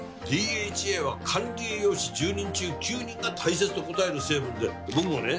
ＤＨＡは管理栄養士１０人中９人が大切と答える成分で僕もね